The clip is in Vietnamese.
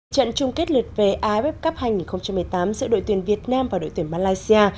trận chung kết lượt về abf cấp hành hai nghìn một mươi tám giữa đội tuyển việt nam và đội tuyển malaysia